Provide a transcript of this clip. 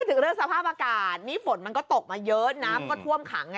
ถึงเรื่องสภาพอากาศนี่ฝนมันก็ตกมาเยอะน้ำก็ท่วมขัง